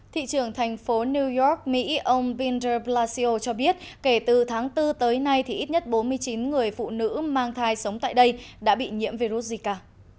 thị trưởng thành phố new york mỹ ông pinger blacio cho biết kể từ tháng bốn tới nay thì ít nhất bốn mươi chín người phụ nữ mang thai sống tại đây đã bị nhiễm virus zika